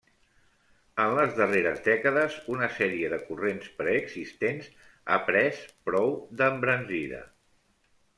En les darreres dècades, una sèrie de corrents preexistents ha pres prou d'embranzida.